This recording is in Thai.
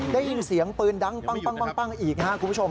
ได้ยินเสียงปืนดังปั้งอีกนะครับคุณผู้ชม